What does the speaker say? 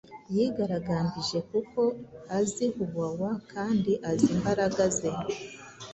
yigaragambijekuko azi Huwawa kandi azi imbaraga ze